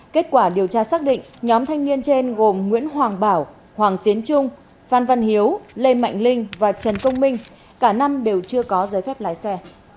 kết quả điều tra xác định nhóm thanh niên trên gồm nguyễn hoàng bảo hoàng tiến trung phan văn hiếu lê mạnh linh và trần công minh cả năm đều chưa có giấy phép lái xe